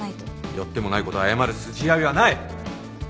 やってもないこと謝る筋合いはない！